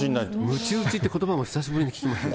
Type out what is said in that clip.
むち打ちってことばも久しぶりに聞きましたよ。